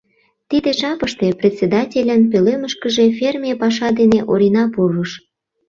Тиде жапыште председательын пӧлемышкыже ферме паша дене Орина пурыш.